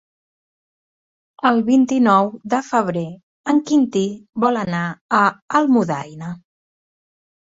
El vint-i-nou de febrer en Quintí vol anar a Almudaina.